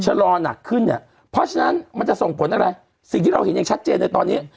ชะลอหนักขึ้นเนี่ยเพราะฉะนั้นมันจะส่งผลอะไรสิ่งที่เราเห็นอย่างชัดเจนในตอนนี้